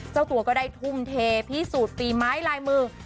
เจ้าตัวก็ได้ทุ่มเทพิสูจน์ฝีไม้ลายมือ